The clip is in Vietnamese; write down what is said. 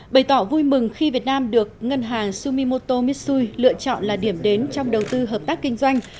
bày tỏ vui mừng khi việt nam được ngân hàng sumimoto mitsui lựa chọn là điểm đến trong đầu tư hợp tác kinh doanh